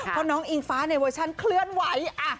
เพราะน้องอิงฟ้าในเวอร์ชันเคลื่อนไหว